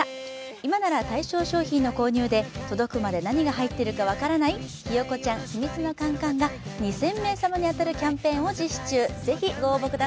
今なら対象商品の購入で、届くまで何が入っているか分からないひよこちゃん秘密のカンカンが２０００名様に当たるキャンペーンを実施中。